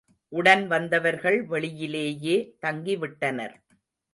உடன் வந்தவர்கள் வெளியிலேயே தங்கிவிட்டனர்.